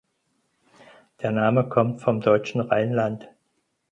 Der Name kommt vom deutschen Rheinland.